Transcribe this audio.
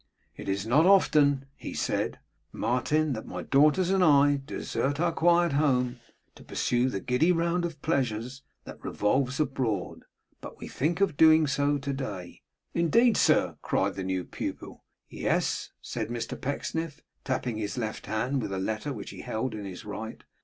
'It is not often,' he said, 'Martin, that my daughters and I desert our quiet home to pursue the giddy round of pleasures that revolves abroad. But we think of doing so to day.' 'Indeed, sir!' cried the new pupil. 'Yes,' said Mr Pecksniff, tapping his left hand with a letter which he held in his right.